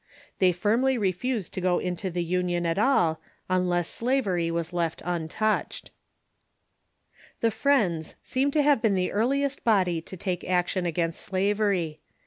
They firmly refused to go into the Union at all unless slavery was left untouched. The Friends seem to have been the earliest body to take ac tion against slavery.